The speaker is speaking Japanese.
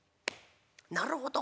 「なるほど！